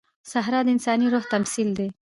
صحرا د انساني روح تمثیل دی.